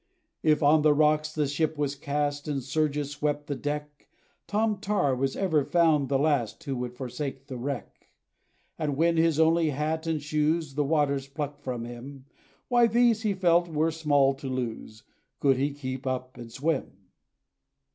If on the rocks the ship was cast, And surges swept the deck, Tom Tar was ever found the last, Who would forsake the wreck. And when his only hat and shoes The waters plucked from him, Why, these, he felt, were small to lose, Could he keep up and swim!